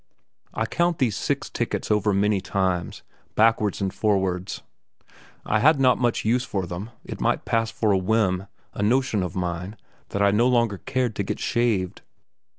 I count these six tickets over many times, backwards and forwards; I had not much use for them; it might pass for a whim a notion of mine that I no longer cared to get shaved.